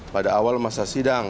pada awal masa sidang